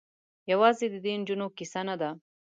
یوازې د دې نجونو کيسه نه ده.